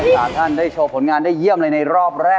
สวัสดีค่ะ